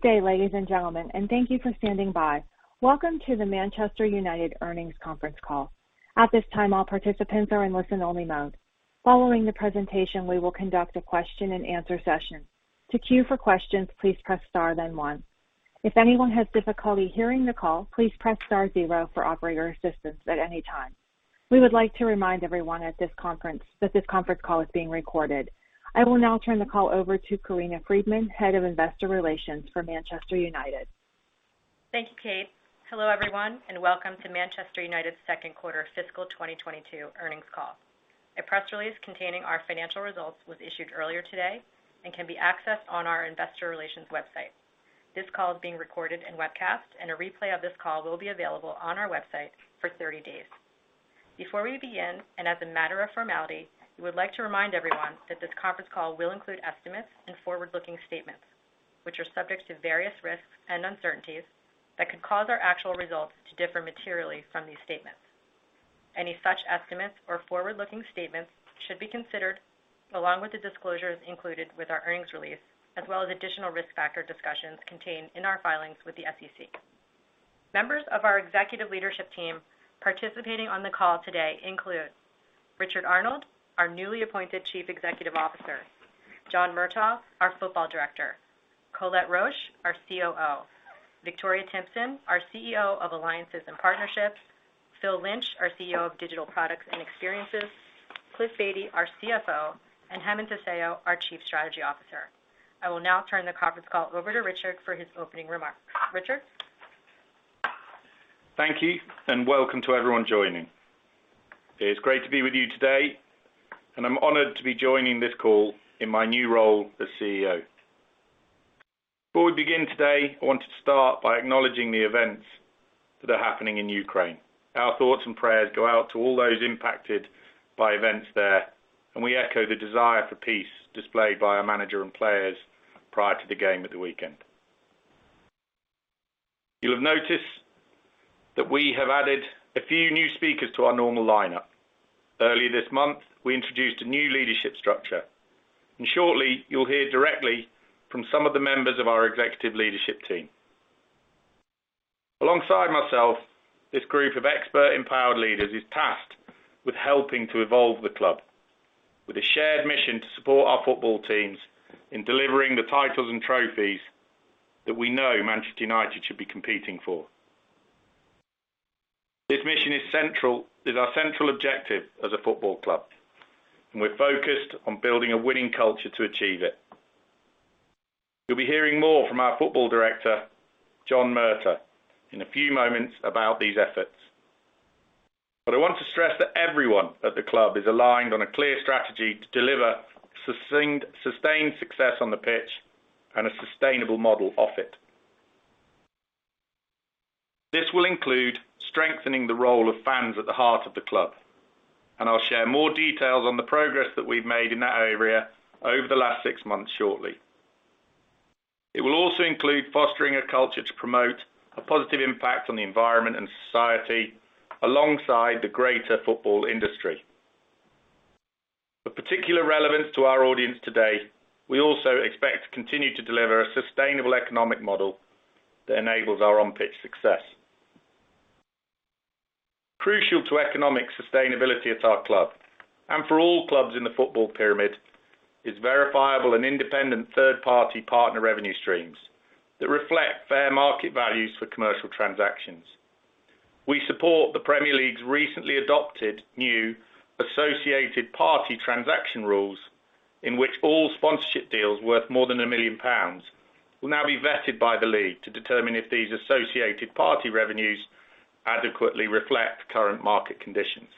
Good day, ladies and gentlemen, and thank you for standing by. Welcome to the Manchester United earnings conference call. At this time, all participants are in listen-only mode. Following the presentation, we will conduct a question-and-answer session. To cue for questions, please press star, then one. If anyone has difficulty hearing the call, please press star zero for operator assistance at any time. We would like to remind everyone at this conference that this conference call is being recorded. I will now turn the call over to Corinna Freedman, Head of Investor Relations for Manchester United. Thank you, Kate. Hello, everyone, and welcome to Manchester United's second quarter fiscal 2022 earnings call. A press release containing our financial results was issued earlier today and can be accessed on our investor relations website. This call is being recorded and webcast, and a replay of this call will be available on our website for 30 days. Before we begin, and as a matter of formality, we would like to remind everyone that this conference call will include estimates and forward-looking statements, which are subject to various risks and uncertainties that could cause our actual results to differ materially from these statements. Any such estimates or forward-looking statements should be considered, along with the disclosures included with our earnings release, as well as additional risk factor discussions contained in our filings with the SEC. Members of our executive leadership team participating on the call today include Richard Arnold, our newly appointed Chief Executive Officer, John Murtough, our Football Director, Collette Roche, our COO, Victoria Timpson, our CEO of Alliances and Partnerships, Phil Lynch, our CEO of Digital Products and Experiences, Cliff Baty, our CFO, and Hemen Tseayo, our Chief Strategy Officer. I will now turn the conference call over to Richard for his opening remarks. Richard? Thank you, and welcome to everyone joining. It is great to be with you today, and I'm honored to be joining this call in my new role as CEO. Before we begin today, I wanted to start by acknowledging the events that are happening in Ukraine. Our thoughts and prayers go out to all those impacted by events there, and we echo the desire for peace displayed by our manager and players prior to the game at the weekend. You'll have noticed that we have added a few new speakers to our normal lineup. Earlier this month, we introduced a new leadership structure, and shortly, you'll hear directly from some of the members of our executive leadership team. Alongside myself, this group of expert-empowered leaders is tasked with helping to evolve the club, with a shared mission to support our football teams in delivering the titles and trophies that we know Manchester United should be competing for. This mission is our central objective as a football club, and we're focused on building a winning culture to achieve it. You'll be hearing more from our Football Director, John Murtough, in a few moments about these efforts. I want to stress that everyone at the club is aligned on a clear strategy to deliver sustained success on the pitch and a sustainable model off it. This will include strengthening the role of fans at the heart of the club, and I'll share more details on the progress that we've made in that area over the last six months shortly. It will also include fostering a culture to promote a positive impact on the environment and society alongside the greater football industry. Of particular relevance to our audience today, we also expect to continue to deliver a sustainable economic model that enables our on-pitch success. Crucial to economic sustainability at our club, and for all clubs in the football pyramid, is verifiable and independent third-party partner revenue streams that reflect fair market values for commercial transactions. We support the Premier League's recently adopted new associated party transaction rules, in which all sponsorship deals worth more than 1 million pounds will now be vetted by the league to determine if these associated party revenues adequately reflect current market conditions.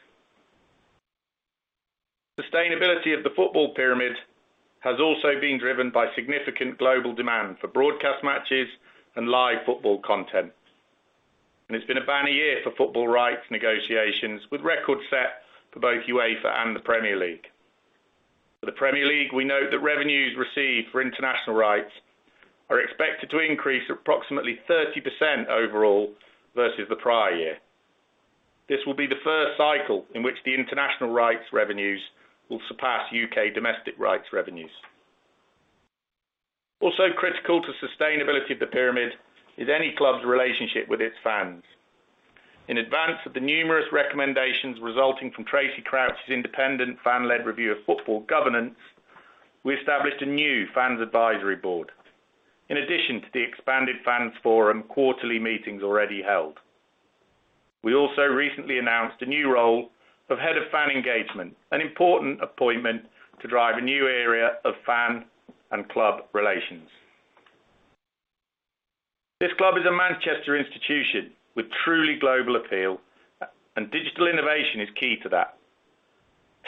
Sustainability of the football pyramid has also been driven by significant global demand for broadcast matches and live football content, and it's been a banner year for football rights negotiations, with records set for both UEFA and the Premier League. For the Premier League, we note that revenues received for international rights are expected to increase at approximately 30% overall versus the prior year. This will be the first cycle in which the international rights revenues will surpass UK domestic rights revenues. Also critical to sustainability of the pyramid is any club's relationship with its fans. In advance of the numerous recommendations resulting from Tracey Crouch's independent fan-led review of football governance, we established a new fans advisory board, in addition to the expanded fans forum quarterly meetings already held. We also recently announced a new role of head of fan engagement, an important appointment to drive a new area of fan and club relations. This club is a Manchester institution with truly global appeal, and digital innovation is key to that.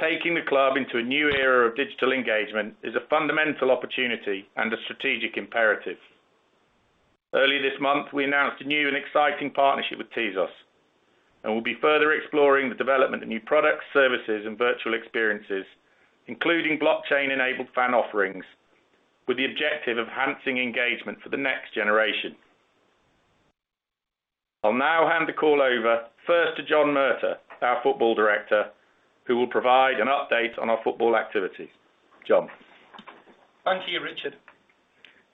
Taking the club into a new era of digital engagement is a fundamental opportunity and a strategic imperative. Earlier this month, we announced a new and exciting partnership with Tezos, and we'll be further exploring the development of new products, services, and virtual experiences, including blockchain-enabled fan offerings, with the objective of enhancing engagement for the next generation. I'll now hand the call over first to John Murtough, our Football Director, who will provide an update on our football activities. John. Thank you, Richard.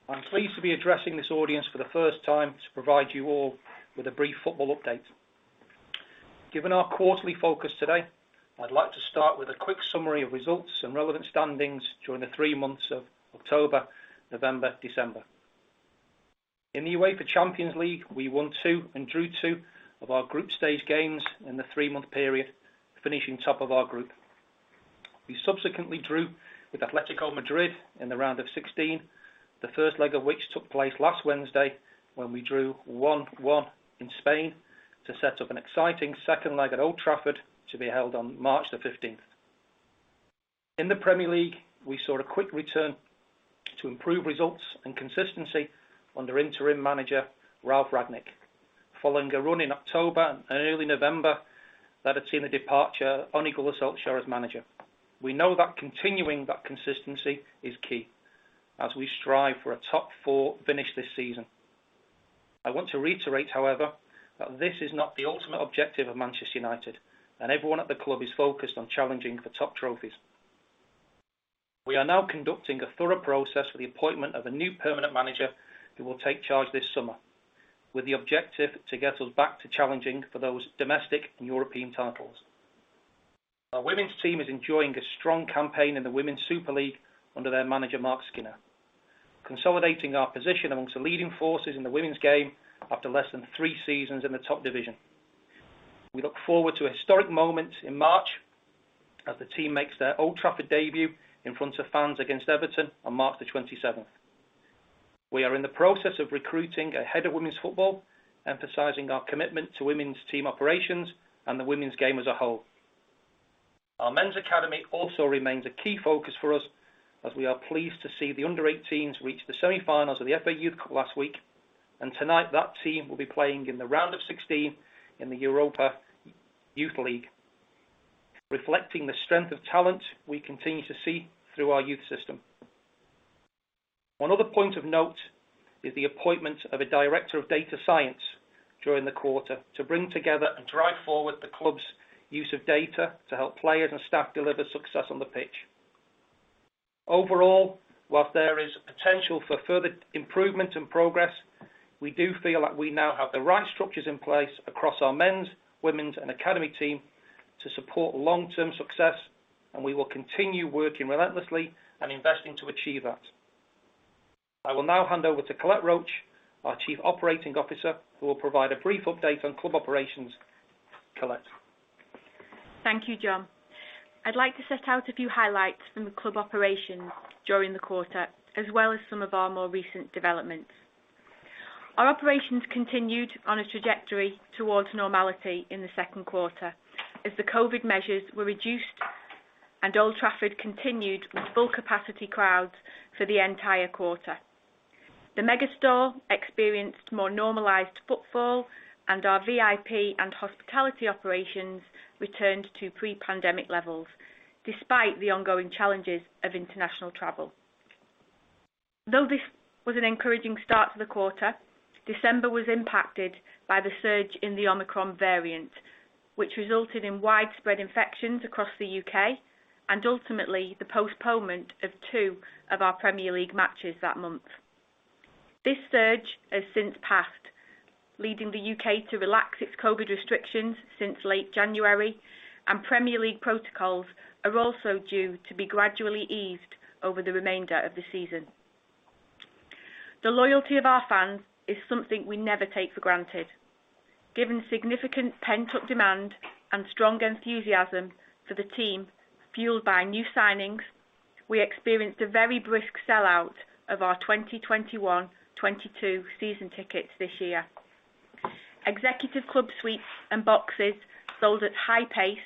I'm pleased to be addressing this audience for the first time to provide you all with a brief football update. Given our quarterly focus today, I'd like to start with a quick summary of results and relevant standings during the three months of October, November, December. In the UEFA Champions League, we won 2 and drew 2 of our group stage games in the three-month period, finishing top of our group. We subsequently drew with Atlético Madrid in the round of 16, the first leg of which took place last Wednesday when we drew 1-1 in Spain to set up an exciting second leg at Old Trafford to be held on March the 15th. In the Premier League, we saw a quick return to improved results and consistency under interim manager Ralf Rangnick, following a run in October and early November that had seen the departure of Ole Gunnar Solskjær, manager. We know that continuing that consistency is key as we strive for a top four finish this season. I want to reiterate, however, that this is not the ultimate objective of Manchester United, and everyone at the club is focused on challenging for top trophies. We are now conducting a thorough process for the appointment of a new permanent manager who will take charge this summer, with the objective to get us back to challenging for those domestic and European titles. Our women's team is enjoying a strong campaign in the Women's Super League under their manager, Marc Skinner, consolidating our position among the leading forces in the women's game after less than three seasons in the top division. We look forward to a historic moment in March as the team makes their Old Trafford debut in front of fans against Everton on March the 27th. We are in the process of recruiting a head of women's football, emphasizing our commitment to women's team operations and the women's game as a whole. Our men's academy also remains a key focus for us, as we are pleased to see the under-18s reach the semi-finals of the FA Youth Cup last week, and tonight that team will be playing in the round of 16 in the UEFA Youth League, reflecting the strength of talent we continue to see through our youth system. One other point of note is the appointment of a director of data science during the quarter to bring together and drive forward the club's use of data to help players and staff deliver success on the pitch. Overall, while there is potential for further improvement and progress, we do feel that we now have the right structures in place across our men's, women's, and academy team to support long-term success, and we will continue working relentlessly and investing to achieve that. I will now hand over to Collette Roche, our Chief Operating Officer, who will provide a brief update on club operations. Collette. Thank you, John. I'd like to set out a few highlights from the club operations during the quarter, as well as some of our more recent developments. Our operations continued on a trajectory towards normality in the second quarter, as the COVID measures were reduced and Old Trafford continued with full-capacity crowds for the entire quarter. The Megastore experienced more normalized footfall, and our VIP and hospitality operations returned to pre-pandemic levels, despite the ongoing challenges of international travel. Though this was an encouraging start to the quarter, December was impacted by the surge in the Omicron variant, which resulted in widespread infections across the U.K. and ultimately the postponement of two of our Premier League matches that month. This surge has since passed, leading the U.K. to relax its COVID restrictions since late January, and Premier League protocols are also due to be gradually eased over the remainder of the season. The loyalty of our fans is something we never take for granted. Given significant pent-up demand and strong enthusiasm for the team, fueled by new signings, we experienced a very brisk sellout of our 2021/22 season tickets this year. Executive club suites and boxes sold at high pace,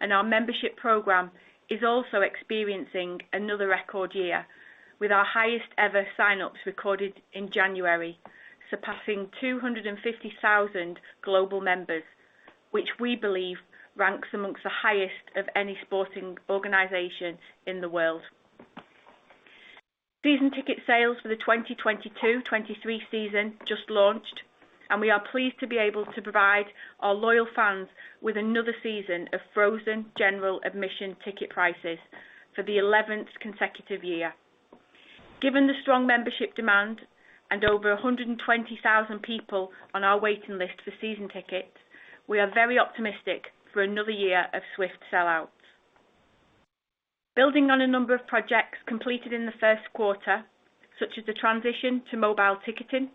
and our membership program is also experiencing another record year, with our highest-ever sign-ups recorded in January surpassing 250,000 global members, which we believe ranks amongst the highest of any sporting organization in the world. Season ticket sales for the 2022/23 season just launched, and we are pleased to be able to provide our loyal fans with another season of frozen general admission ticket prices for the 11th consecutive year. Given the strong membership demand and over 120,000 people on our waiting list for season tickets, we are very optimistic for another year of swift sellouts. Building on a number of projects completed in the first quarter, such as the transition to mobile ticketing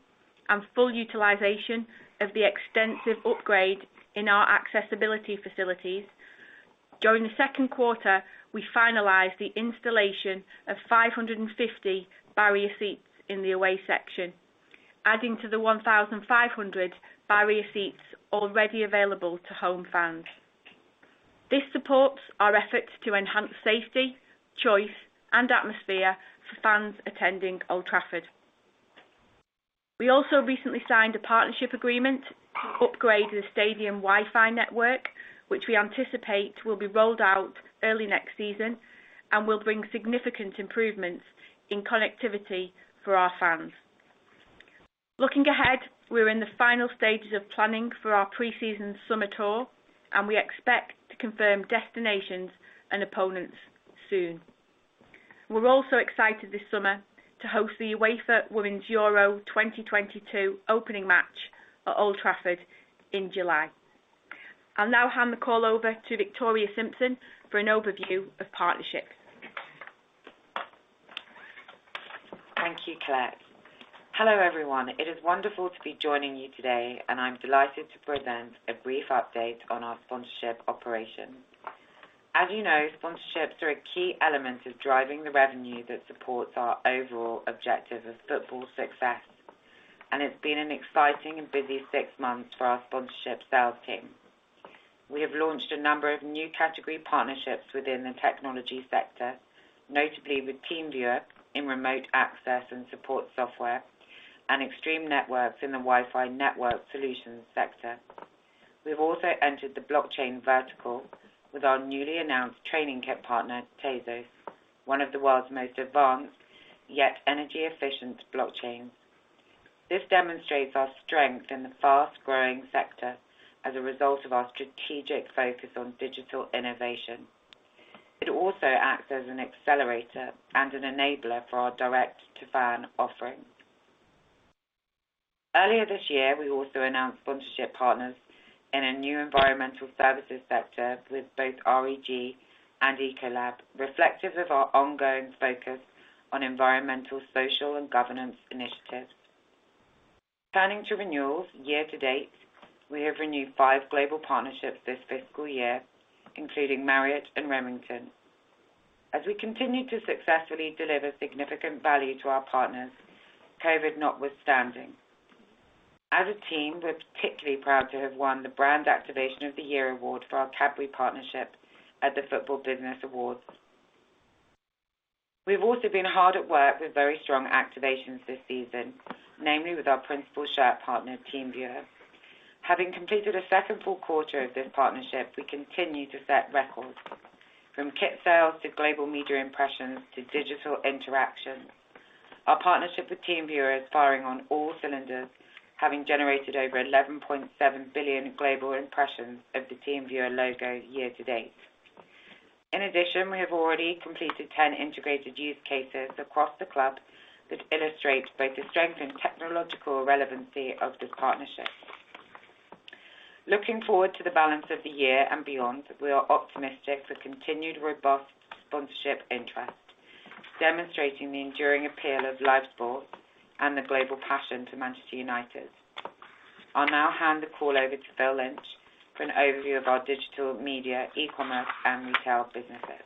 and full utilization of the extensive upgrade in our accessibility facilities, during the second quarter we finalized the installation of 550 barrier seats in the away section, adding to the 1,500 barrier seats already available to home fans. This supports our efforts to enhance safety, choice, and atmosphere for fans attending Old Trafford. We also recently signed a partnership agreement to upgrade the stadium Wi-Fi network, which we anticipate will be rolled out early next season and will bring significant improvements in connectivity for our fans. Looking ahead, we're in the final stages of planning for our preseason summer tour, and we expect to confirm destinations and opponents soon. We're also excited this summer to host the UEFA Women's Euro 2022 opening match at Old Trafford in July. I'll now hand the call over to Victoria Timpson for an overview of partnerships. Thank you, Collette. Hello, everyone. It is wonderful to be joining you today, and I'm delighted to present a brief update on our sponsorship operations. As you know, sponsorships are a key element of driving the revenue that supports our overall objective of football success, and it's been an exciting and busy six months for our sponsorship sales team. We have launched a number of new category partnerships within the technology sector, notably with TeamViewer in remote access and support software and Extreme Networks in the Wi-Fi network solutions sector. We've also entered the blockchain vertical with our newly announced training kit partner, Tezos, one of the world's most advanced yet energy-efficient blockchains. This demonstrates our strength in the fast-growing sector as a result of our strategic focus on digital innovation. It also acts as an accelerator and an enabler for our direct-to-fan offerings. Earlier this year, we also announced sponsorship partners in a new environmental services sector with both REG and Ecolab, reflective of our ongoing focus on environmental, social, and governance initiatives. Turning to renewals, year to date, we have renewed 5 global partnerships this fiscal year, including Marriott and Remington. As we continue to successfully deliver significant value to our partners, COVID notwithstanding. As a team, we're particularly proud to have won the Brand Activation of the Year award for our Cadbury partnership at the Football Business Awards. We've also been hard at work with very strong activations this season, namely with our principal shirt partner, TeamViewer. Having completed a second full quarter of this partnership, we continue to set records, from kit sales to global media impressions to digital interactions. Our partnership with TeamViewer is firing on all cylinders, having generated over 11.7 billion global impressions of the TeamViewer logo year to date. In addition, we have already completed 10 integrated use cases across the club that illustrate both the strength and technological relevancy of this partnership. Looking forward to the balance of the year and beyond, we are optimistic for continued robust sponsorship interest, demonstrating the enduring appeal of live sports and the global passion for Manchester United. I'll now hand the call over to Phil Lynch for an overview of our digital media, e-commerce, and retail businesses.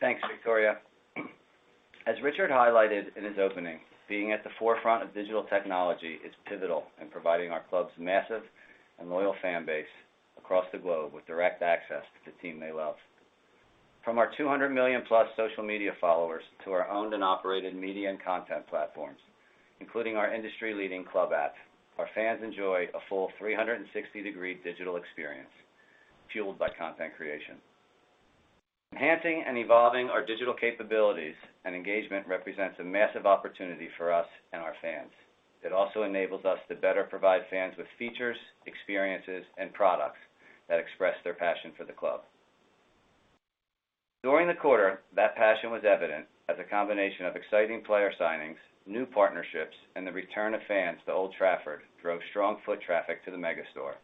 Thanks, Victoria. As Richard highlighted in his opening, being at the forefront of digital technology is pivotal in providing our club's massive and loyal fan base across the globe with direct access to the team they love. From our 200 million-plus social media followers to our owned and operated media and content platforms, including our industry-leading club app, our fans enjoy a full 360-degree digital experience fueled by content creation. Enhancing and evolving our digital capabilities and engagement represents a massive opportunity for us and our fans. It also enables us to better provide fans with features, experiences, and products that express their passion for the club. During the quarter, that passion was evident as a combination of exciting player signings, new partnerships, and the return of fans to Old Trafford drove strong foot traffic to the Megastore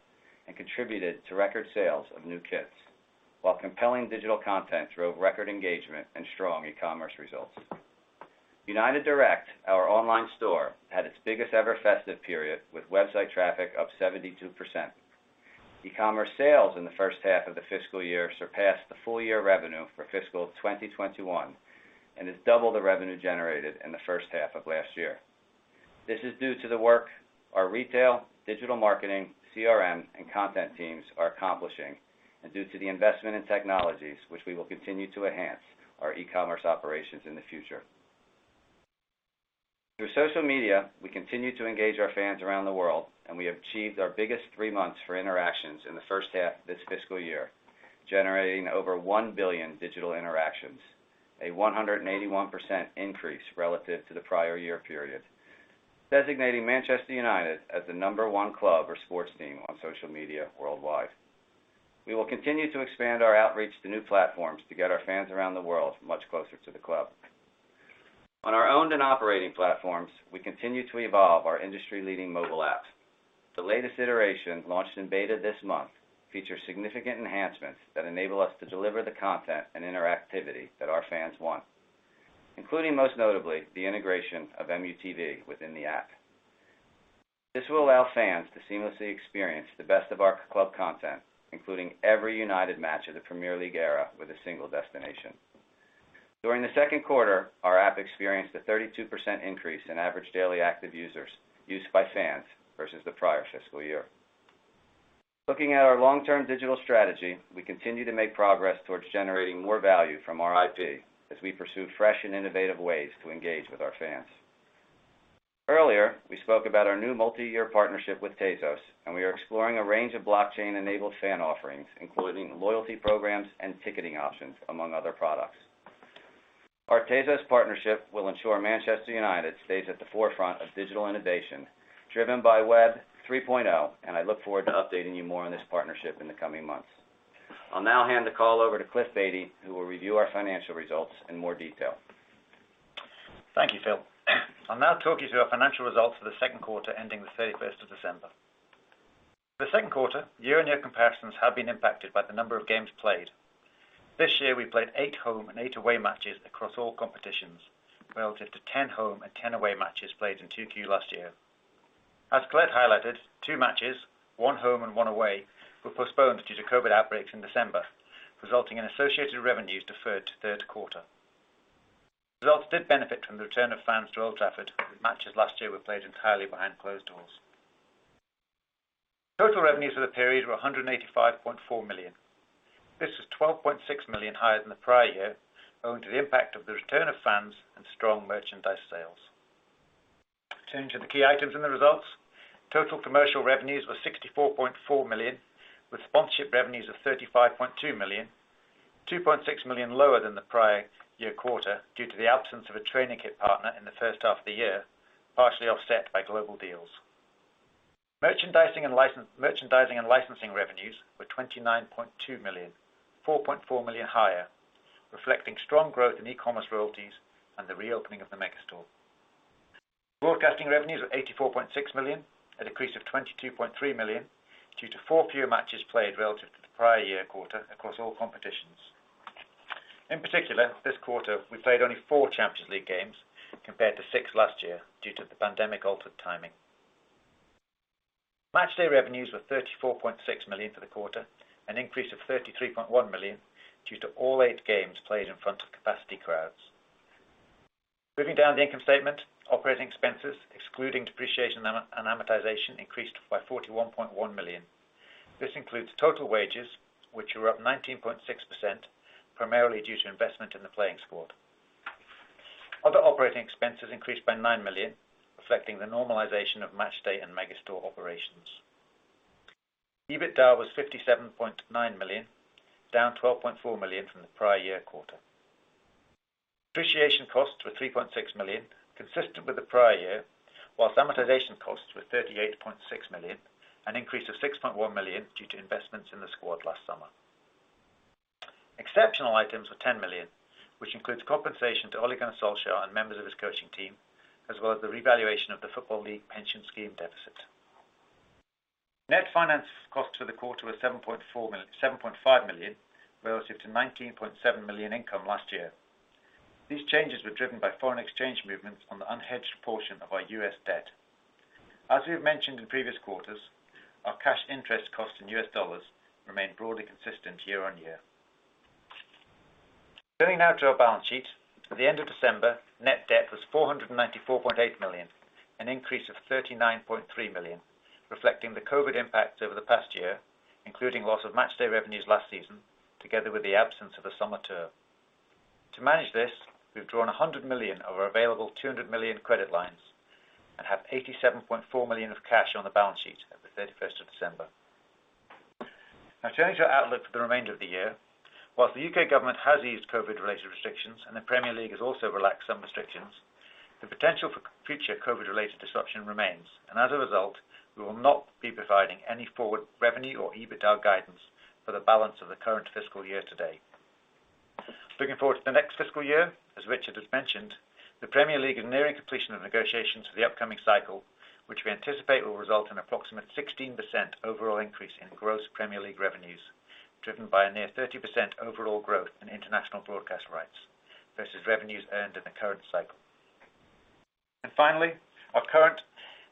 and contributed to record sales of new kits, while compelling digital content drove record engagement and strong e-commerce results. United Direct, our online store, had its biggest-ever festive period with website traffic up 72%. E-commerce sales in the first half of the fiscal year surpassed the full-year revenue for fiscal 2021 and has doubled the revenue generated in the first half of last year. This is due to the work our retail, digital marketing, CRM, and content teams are accomplishing, and due to the investment in technologies, which we will continue to enhance our e-commerce operations in the future. Through social media, we continue to engage our fans around the world, and we have achieved our biggest three months for interactions in the first half of this fiscal year, generating over 1 billion digital interactions, a 181% increase relative to the prior year period, designating Manchester United as the number one club or sports team on social media worldwide. We will continue to expand our outreach to new platforms to get our fans around the world much closer to the club. On our owned and operating platforms, we continue to evolve our industry-leading mobile apps. The latest iteration, launched in beta this month, features significant enhancements that enable us to deliver the content and interactivity that our fans want, including most notably the integration of MUTV within the app. This will allow fans to seamlessly experience the best of our club content, including every United match of the Premier League era with a single destination. During the second quarter, our app experienced a 32% increase in average daily active users used by fans versus the prior fiscal year. Looking at our long-term digital strategy, we continue to make progress towards generating more value from our IP as we pursue fresh and innovative ways to engage with our fans. Earlier, we spoke about our new multi-year partnership with Tezos, and we are exploring a range of blockchain-enabled fan offerings, including loyalty programs and ticketing options, among other products. Our Tezos partnership will ensure Manchester United stays at the forefront of digital innovation, driven by Web 3.0, and I look forward to updating you more on this partnership in the coming months. I'll now hand the call over to Cliff Baty, who will review our financial results in more detail. Thank you, Phil. I'll now talk you through our financial results for the second quarter ending the 31st of December. For the second quarter, year-on-year comparisons have been impacted by the number of games played. This year, we played 8 home and 8 away matches across all competitions relative to 10 home and 10 away matches played in 2Q last year. As Collette highlighted, two matches, one home and one away, were postponed due to COVID outbreaks in December, resulting in associated revenues deferred to third quarter. Results did benefit from the return of fans to Old Trafford, with matches last year were played entirely behind closed doors. Total revenues for the period were 185.4 million. This was 12.6 million higher than the prior year, owing to the impact of the return of fans and strong merchandise sales. Turning to the key items in the results, total commercial revenues were 64.4 million, with sponsorship revenues of 35.2 million, 2.6 million lower than the prior year quarter due to the absence of a training kit partner in the first half of the year, partially offset by global deals. Merchandising and licensing revenues were 29.2 million, 4.4 million higher, reflecting strong growth in e-commerce royalties and the reopening of the Megastore. Broadcasting revenues were 84.6 million, an increase of 22.3 million due to four fewer matches played relative to the prior year quarter across all competitions. In particular, this quarter, we played only four Champions League games compared to six last year due to the pandemic-altered timing. Matchday revenues were 34.6 million for the quarter, an increase of 33.1 million due to all eight games played in front of capacity crowds. Moving down the income statement, operating expenses, excluding depreciation and amortization, increased by 41.1 million. This includes total wages, which were up 19.6% primarily due to investment in the playing squad. Other operating expenses increased by 9 million, reflecting the normalization of matchday and Megastore operations. EBITDA was 57.9 million, down 12.4 million from the prior year quarter. Depreciation costs were 3.6 million, consistent with the prior year, while amortization costs were 38.6 million, an increase of 6.1 million due to investments in the squad last summer. Exceptional items were 10 million, which includes compensation to Ole Gunnar Solskjær and members of his coaching team, as well as the revaluation of the Football League pension scheme deficit. Net finance costs for the quarter were 7.5 million relative to 19.7 million income last year. These changes were driven by foreign exchange movements on the unhedged portion of our U.S. debt. As we have mentioned in previous quarters, our cash interest cost in U.S. dollars remained broadly consistent year on year. Turning now to our balance sheet, at the end of December, net debt was 494.8 million, an increase of 39.3 million, reflecting the COVID impacts over the past year, including loss of matchday revenues last season, together with the absence of a summer tour. To manage this, we've drawn 100 million of our available 200 million credit lines and have 87.4 million of cash on the balance sheet at the 31st of December. Now, turning to our outlook for the remainder of the year, while the U.K. government has eased COVID-related restrictions and the Premier League has also relaxed some restrictions, the potential for future COVID-related disruption remains, and as a result, we will not be providing any forward revenue or EBITDA guidance for the balance of the current fiscal year today. Looking forward to the next fiscal year, as Richard has mentioned, the Premier League is nearing completion of negotiations for the upcoming cycle, which we anticipate will result in approximately 16% overall increase in gross Premier League revenues, driven by a near 30% overall growth in international broadcast rights versus revenues earned in the current cycle. Finally,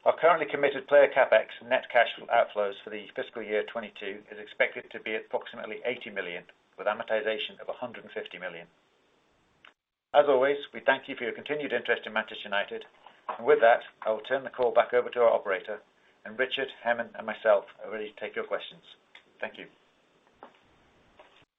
our currently committed player CapEx net cash outflows for the fiscal year 2022 is expected to be approximately 80 million, with amortization of 150 million. As always, we thank you for your continued interest in Manchester United. With that, I will turn the call back over to our operator, and Richard, Hemen, and myself are ready to take your questions. Thank you.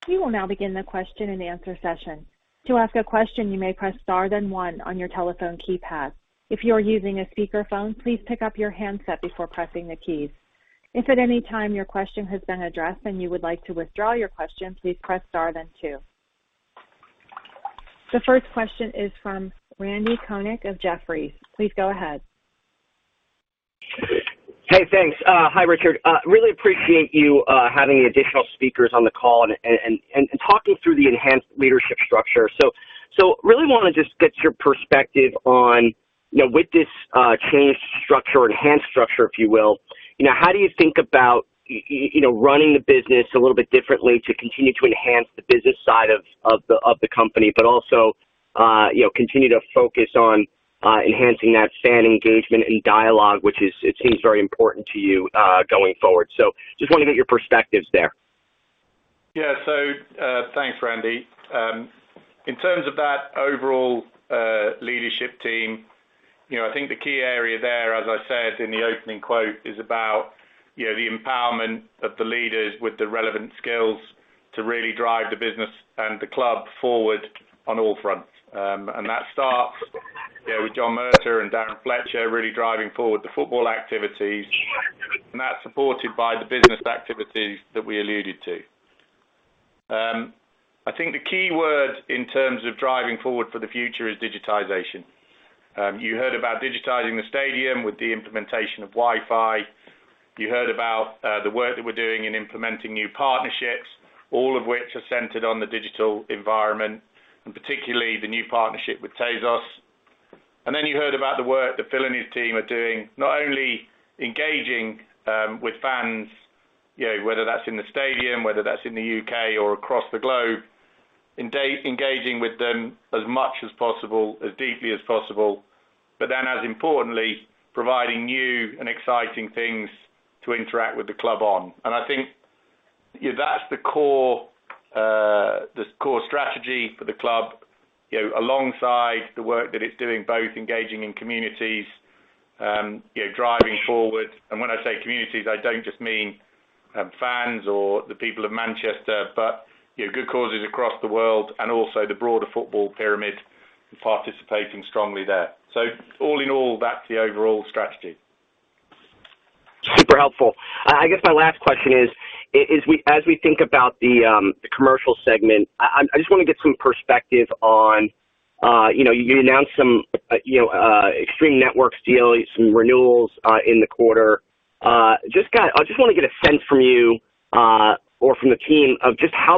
We will now begin the question and answer session. To ask a question, you may press star then one on your telephone keypad. If you are using a speakerphone, please pick up your handset before pressing the keys. If at any time your question has been addressed and you would like to withdraw your question, please press star then two. The first question is from Randal Konik of Jefferies. Please go ahead. Hey, thanks. Hi, Richard. Really appreciate you having the additional speakers on the call and talking through the enhanced leadership structure. Really want to just get your perspective on, with this changed structure, enhanced structure, if you will, how do you think about running the business a little bit differently to continue to enhance the business side of the company, but also continue to focus on enhancing that fan engagement and dialogue, which it seems very important to you going forward? Just want to get your perspectives there. Yeah. Thanks, Randy. In terms of that overall leadership team, I think the key area there, as I said in the opening quote, is about the empowerment of the leaders with the relevant skills to really drive the business and the club forward on all fronts. That starts with John Murtough and Darren Fletcher really driving forward the football activities, and that's supported by the business activities that we alluded to. I think the key word in terms of driving forward for the future is digitization. You heard about digitizing the stadium with the implementation of Wi-Fi. You heard about the work that we're doing in implementing new partnerships, all of which are centered on the digital environment, and particularly the new partnership with Tezos. Then you heard about the work Phil Lynch and his team are doing, not only engaging with fans, whether that's in the stadium, whether that's in the U.K., or across the globe, engaging with them as much as possible, as deeply as possible, but then, as importantly, providing new and exciting things to interact with the club on. I think that's the core strategy for the club alongside the work that it's doing, both engaging in communities, driving forward. When I say communities, I don't just mean fans or the people of Manchester, but good causes across the world and also the broader football pyramid participating strongly there. All in all, that's the overall strategy. Super helpful. I guess my last question is, as we think about the commercial segment, I just want to get some perspective on you announced some Extreme Networks deal, some renewals in the quarter. I just want to get a sense from you or from the team of just how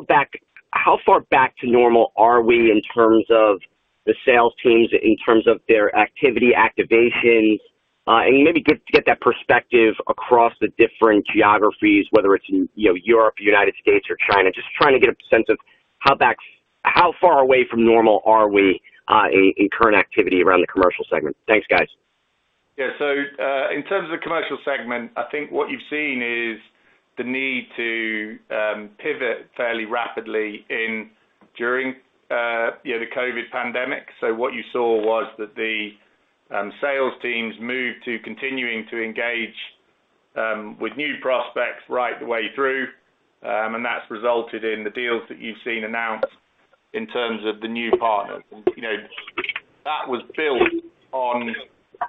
far back to normal are we in terms of the sales teams, in terms of their activity, activations, and maybe get that perspective across the different geographies, whether it's Europe, United States, or China, just trying to get a sense of how far away from normal are we in current activity around the commercial segment. Thanks, guys. In terms of the commercial segment, I think what you've seen is the need to pivot fairly rapidly during the COVID pandemic. What you saw was that the sales teams moved to continuing to engage with new prospects right the way through, and that's resulted in the deals that you've seen announced in terms of the new partners. That was built on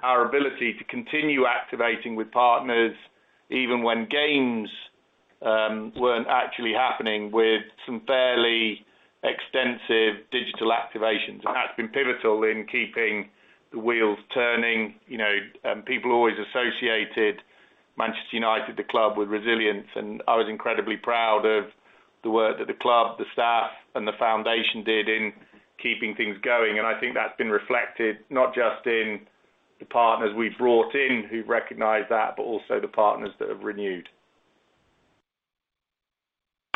our ability to continue activating with partners even when games weren't actually happening with some fairly extensive digital activations. That's been pivotal in keeping the wheels turning. People always associated Manchester United, the club, with resilience, and I was incredibly proud of the work that the club, the staff, and the foundation did in keeping things going. I think that's been reflected not just in the partners we've brought in who've recognized that, but also the partners that have renewed.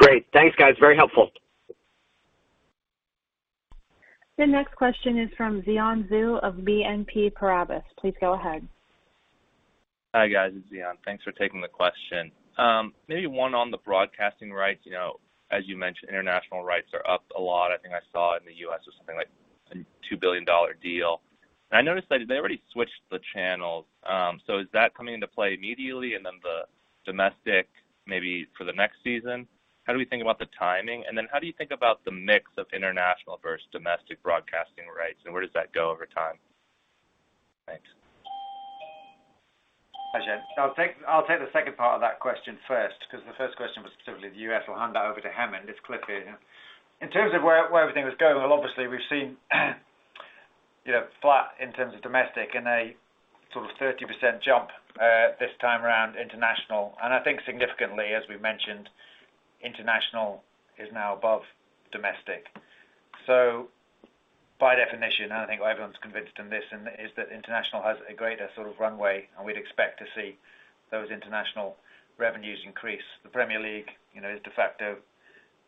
Great. Thanks, guys. Very helpful. The next question is from Xian Zhu of BNP Paribas. Please go ahead. Hi, guys. It's Xian. Thanks for taking the question. Maybe one on the broadcasting rights. As you mentioned, international rights are up a lot. I think I saw in the U.S. it was something like a $2 billion deal. I noticed they already switched the channels. Is that coming into play immediately and then the domestic maybe for the next season? How do we think about the timing? Then how do you think about the mix of international versus domestic broadcasting rights, and where does that go over time? Thanks. Pleasure. I'll take the second part of that question first because the first question was specifically the U.S. I'll hand that over to Hemen. It's Cliff here. In terms of where everything was going, well, obviously, we've seen flat in terms of domestic and a sort of 30% jump this time around international. I think significantly, as we mentioned, international is now above domestic. By definition, and I think everyone's convinced in this, is that international has a greater sort of runway, and we'd expect to see those international revenues increase. The Premier League is de facto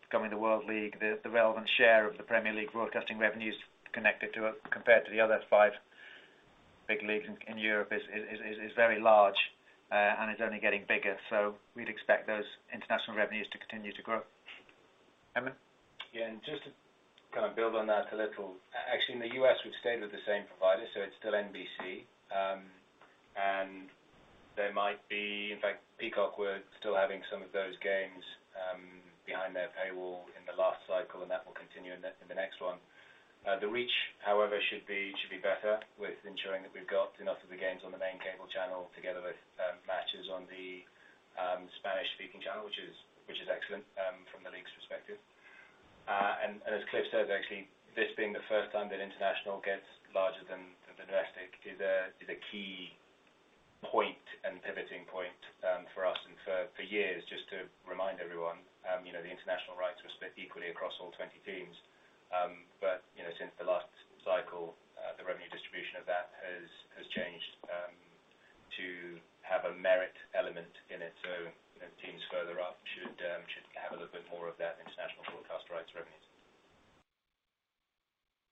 becoming the World League. The relevant share of the Premier League broadcasting revenues connected to it compared to the other five big leagues in Europe is very large and is only getting bigger. We'd expect those international revenues to continue to grow. Hemen? Yeah. Just to kind of build on that a little, actually, in the U.S., we've stayed with the same provider, so it's still NBC. There might be in fact, Peacock, we're still having some of those games behind their paywall in the last cycle, and that will continue in the next one. The reach, however, should be better with ensuring that we've got enough of the games on the main cable channel together with matches on the Spanish-speaking channel, which is excellent from the league's perspective. As Cliff says, actually, this being the first time that international gets larger than the domestic is a key point and pivoting point for us and for years, just to remind everyone. The international rights are split equally across all 20 teams, but since the last cycle, the revenue distribution of that has changed to have a merit element in it. Teams further up should have a little bit more of that international broadcast rights revenues.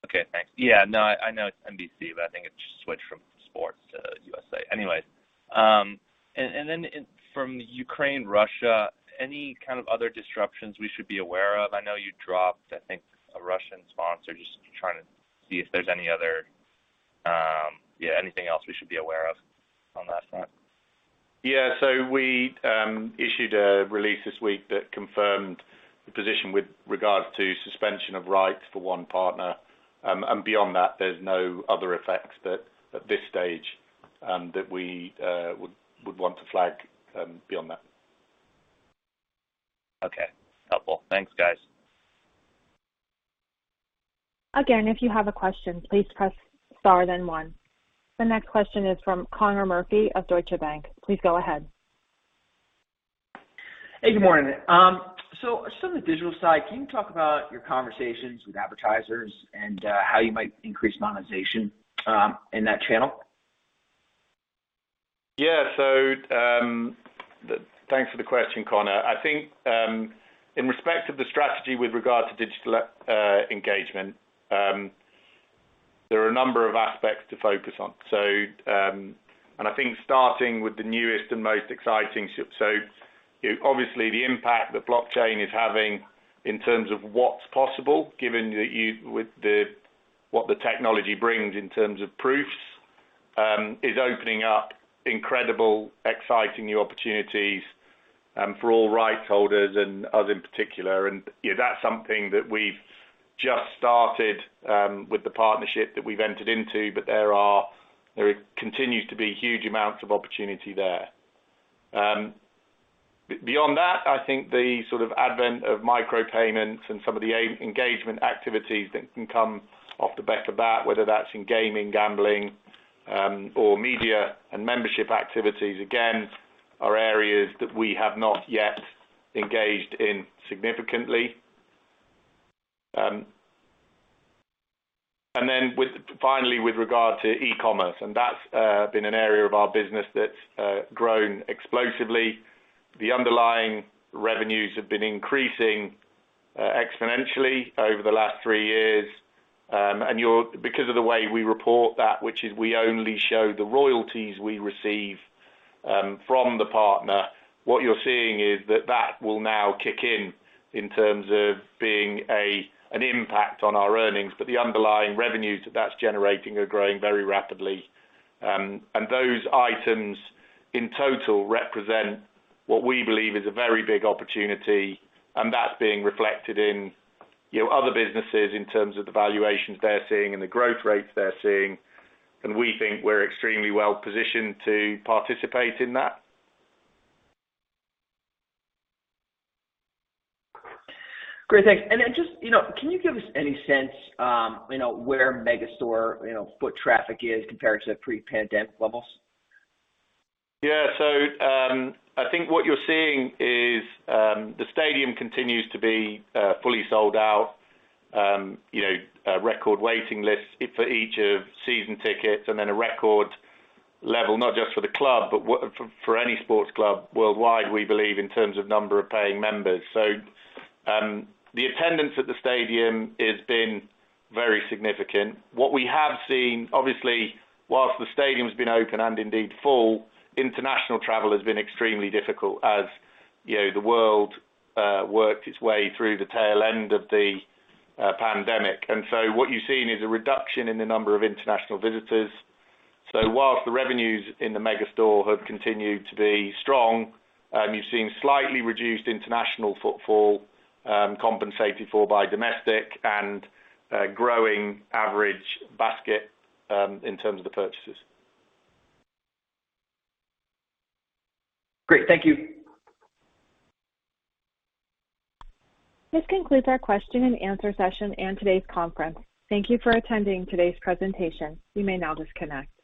Okay. Thanks. Yeah. No, I know it's NBC, but I think it just switched from sports to USA. Anyways. Then from Ukraine, Russia, any kind of other disruptions we should be aware of? I know you dropped, I think, a Russian sponsor just trying to see if there's anything else we should be aware of on that front. Yeah. We issued a release this week that confirmed the position with regards to suspension of rights for one partner. Beyond that, there's no other effects at this stage that we would want to flag beyond that. Okay. Helpful. Thanks, guys. Again, if you have a question, please press star then one. The next question is from Connor Murphy of Deutsche Bank. Please go ahead. Hey, good morning. Just on the digital side, can you talk about your conversations with advertisers and how you might increase monetization in that channel? Yeah. Thanks for the question, Connor. I think in respect of the strategy with regard to digital engagement, there are a number of aspects to focus on. I think starting with the newest and most exciting so obviously, the impact that blockchain is having in terms of what's possible, given what the technology brings in terms of proofs, is opening up incredible, exciting new opportunities for all rights holders and us in particular. That's something that we've just started with the partnership that we've entered into, but there continues to be huge amounts of opportunity there. Beyond that, I think the sort of advent of micropayments and some of the engagement activities that can come off the back of that, whether that's in gaming, gambling, or media and membership activities, again, are areas that we have not yet engaged in significantly. Then finally, with regard to e-commerce, and that's been an area of our business that's grown explosively. The underlying revenues have been increasing exponentially over the last three years. Because of the way we report that, which is we only show the royalties we receive from the partner, what you're seeing is that that will now kick in in terms of being an impact on our earnings. But the underlying revenues that that's generating are growing very rapidly. Those items in total represent what we believe is a very big opportunity, and that's being reflected in other businesses in terms of the valuations they're seeing and the growth rates they're seeing. We think we're extremely well-positioned to participate in that. Great. Thanks. Just can you give us any sense where Megastore foot traffic is compared to pre-pandemic levels? Yeah. I think what you're seeing is the stadium continues to be fully sold out, record waiting lists for each of season tickets, and then a record level, not just for the club, but for any sports club worldwide, we believe, in terms of number of paying members. The attendance at the stadium has been very significant. What we have seen, obviously, while the stadium's been open and indeed full, international travel has been extremely difficult as the world worked its way through the tail end of the pandemic. What you've seen is a reduction in the number of international visitors. While the revenues in the Megastore have continued to be strong, you've seen slightly reduced international footfall compensated for by domestic and growing average basket in terms of the purchases. Great. Thank you. This concludes our question and answer session and today's conference. Thank you for attending today's presentation. You may now disconnect.